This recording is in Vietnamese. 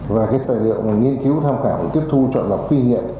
và cái tài liệu nghiên cứu tham khảo tiếp thu trọn lọc kinh nghiệm